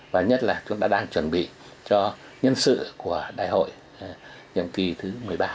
và nhất là cũng đã đang chuẩn bị cho nhân sự của đại hội nhiệm kỳ thứ một mươi ba